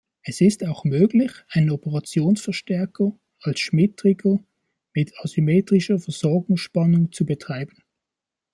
Es ist auch möglich, einen Operationsverstärker als Schmitt-Trigger mit asymmetrischer Versorgungsspannung zu betreiben.